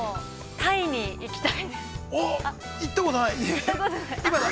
◆タイに行きたい。